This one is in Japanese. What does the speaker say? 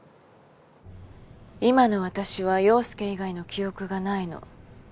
今の私は陽佑以外の記憶がないの。